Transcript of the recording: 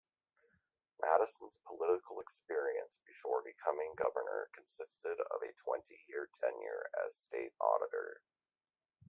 Madison's political experience before becoming governor consisted of a twenty-year tenure as state auditor.